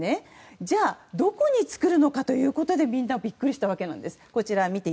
じゃあどこに作るのかということでみんなビックリしたわけです。